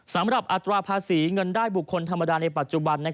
อัตราภาษีเงินได้บุคคลธรรมดาในปัจจุบัน